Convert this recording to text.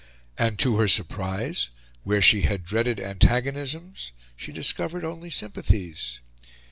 And, to her surprise, where she had dreaded antagonisms, she discovered only sympathies.